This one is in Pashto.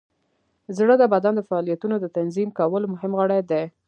زړه د بدن د فعالیتونو د تنظیم کولو مهم غړی دی.